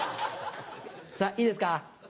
さぁいいですか？